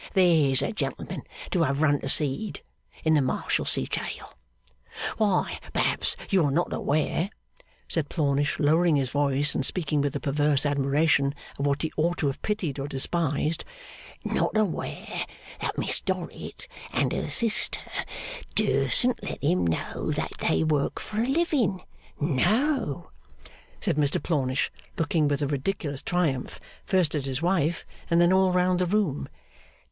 There's a gentleman to have run to seed in the Marshalsea jail! Why, perhaps you are not aware,' said Plornish, lowering his voice, and speaking with a perverse admiration of what he ought to have pitied or despised, 'not aware that Miss Dorrit and her sister dursn't let him know that they work for a living. No!' said Plornish, looking with a ridiculous triumph first at his wife, and then all round the room.